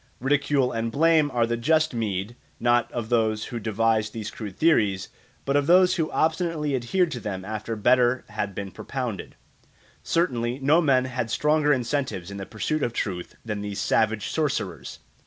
Ridicule and blame are the just meed, not of those who devised these crude theories, but of those who obstinately adhered to them after better had been propounded. Certainly no men ever had stronger incentives in the pursuit of truth than these savage sorcerers.